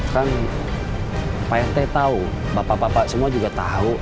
kan pak rt tau bapak bapak semua juga tau